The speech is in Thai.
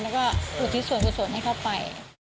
แล้วก็อุทิสวนให้เข้าไป